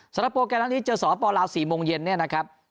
สำหรับโปรแกรมทั้งนี้เจอสอบปลาวสี่โมงเย็นเนี่ยนะครับ